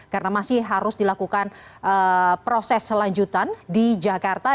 karena masih harus dilakukan proses selanjutan di jakarta